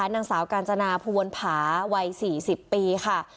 นางสาวกาญจนาภูวนผาวัย๔๐ปีค่ะ